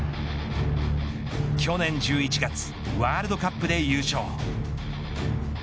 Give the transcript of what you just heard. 去年１１月ワールドカップで優勝。